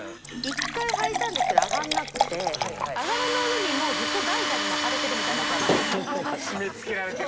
１回はいたんですけど、上がんなくて、上がらないうえに、もうずっと大蛇に巻かれてるみたいになっちゃって。